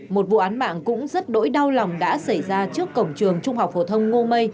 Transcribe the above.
một vụ án mạng cũng rất đỗi đau lòng đã xảy ra trước cổng trường trung học phổ thông ngô mây